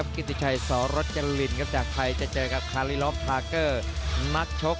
กิติชัยสวัสดิ์รักษณ์